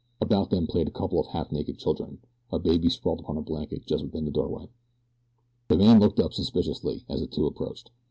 About them played a couple of half naked children. A baby sprawled upon a blanket just within the doorway. The man looked up, suspiciously, as the two approached.